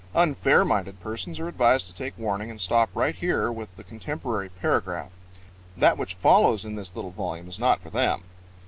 Unfair minded persons are advised to take warning and stop right here with the contemporary paragraph. That which follows in this little volume is not for them.